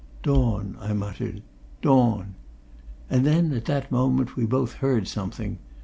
"Dawn," I muttered. "Dawn!" And then, at that moment, we both heard something.